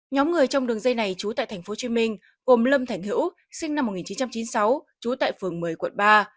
nhóm người trong đường dây này trú tại tp hcm gồm lâm thành hữu sinh năm một nghìn chín trăm chín mươi sáu trú tại phường một mươi quận ba